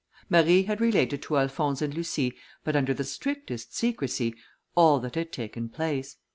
Marie had related to Alphonse and Lucie, but under the strictest secrecy, all that had taken place.